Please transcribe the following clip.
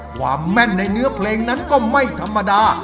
แม่นในเนื้อเพลงนั้นก็ไม่ธรรมดา